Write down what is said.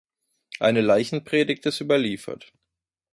Eine Leichenpredigt ist überliefert.